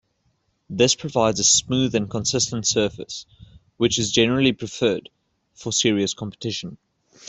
This provides a smooth and consistent surface, which is generally preferred for serious competition.